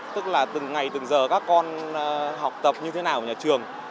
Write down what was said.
tức là từng ngày từng giờ các con học tập như thế nào nhà trường